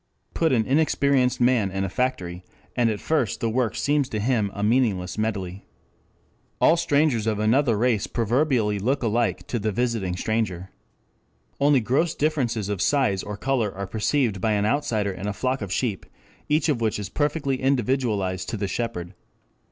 Put an inexperienced man in a factory, and at first the work seems to him a meaningless medley. All strangers of another race proverbially look alike to the visiting stranger. Only gross differences of size or color are perceived by an outsider in a flock of sheep, each of which is perfectly individualized to the shepherd.